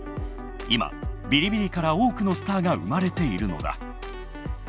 今ビリビリから多くのスターが生まれているのだ。